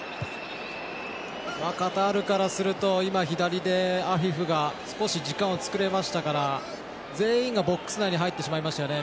カタールからすると左でアフィフが少し時間を作れましたから全員がボックス内に入ってしまいましたよね。